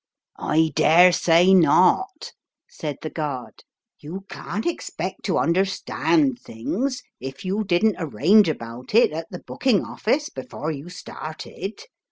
"I daresay not," said the guard. "You can't expect to understand things if you didn't arrange about it at the booking office before you started.